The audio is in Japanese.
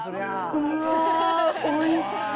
うわー、おいしい。